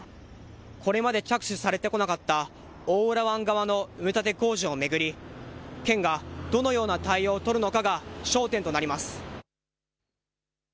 これまで着手されてこなかった大浦湾側の埋め立て工事を巡り、県がどのような対応を取るのかが焦点となります。